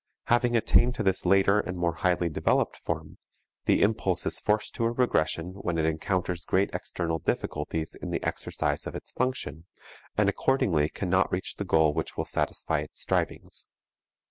Having attained to this later and more highly developed form, the impulse is forced to a regression when it encounters great external difficulties in the exercise of its function, and accordingly cannot reach the goal which will satisfy its strivings.